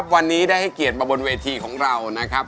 วันนี้ได้ให้เกียรติมาบนเวทีของเรานะครับ